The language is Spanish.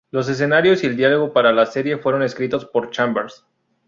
Los escenarios y el diálogo para la serie fueron escritos por Chambers.